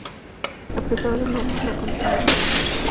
A pesar del nombre, no contiene almendras.